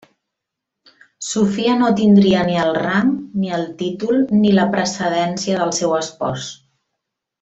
Sofia no tindria ni el rang, ni el títol, ni la precedència del seu espòs.